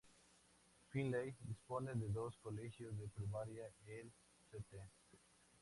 Finley dispone de dos colegios de primaria: el St.